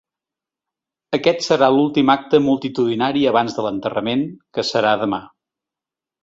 Aquest serà l’últim acte multitudinari abans de l’enterrament, que serà demà.